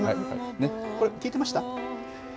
これ、聴いてました。